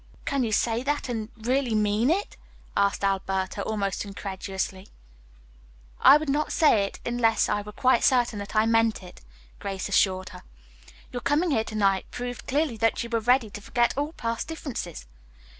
'" "Can you say that and really mean it?" asked Alberta almost incredulously. "I would not say it unless I were quite certain that I meant it," Grace assured her. "Your coming here to night proved clearly that you were ready to forget all past differences.